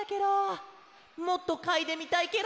もっとかいでみたいケロ！